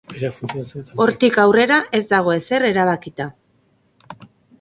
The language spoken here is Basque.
Hortik aurrera, ez dago ezer erabakita.